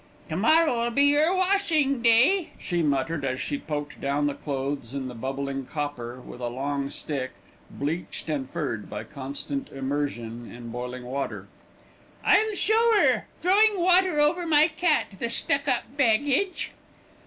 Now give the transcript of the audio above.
"To morrow'll be 'er washing day," she muttered, as she poked down the clothes in the bubbling copper with a long stick, bleached and furred by constant immersion in boiling water. "I'll show 'er, throwing water over my cat, the stuck up baggage!"